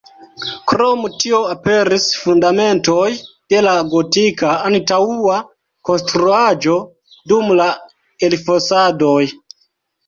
Krom tio aperis fundamentoj de la gotika antaŭa konstruaĵo dum la elfosadoj.